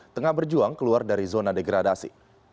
tengah berjuang keluar dari zona degradasi